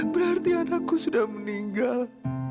berarti anakku sudah meninggal